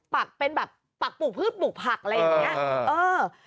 ปักเป็นแบบปักปลูกพืชปลูกผักอะไรอย่างนี้